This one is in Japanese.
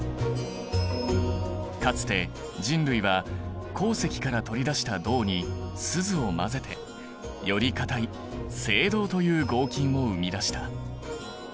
かつて人類は鉱石から取り出した銅にスズを混ぜてより硬い青銅という合金を生み出した。